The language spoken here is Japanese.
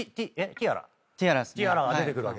ティアラが出てくるわけでしょ。